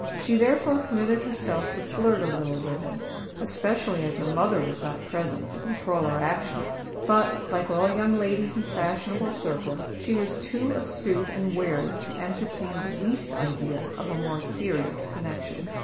She therefore permitted herself to flirt a little with him; especially as her mother was not present to control her actions; but, like all young ladies in fashionable circles, she was too astute and wary to entertain the least idea of a more serious connexion.